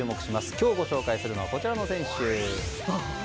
今日ご紹介するのはこちらの選手。